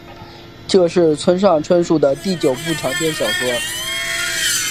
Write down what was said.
这是村上春树的第九部长篇小说。